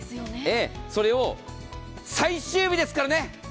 それを最終日ですからね。